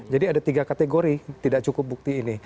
ada tiga kategori tidak cukup bukti ini